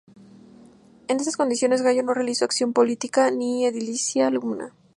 En esas condiciones, Gallo no realizó acción política ni edilicia alguna.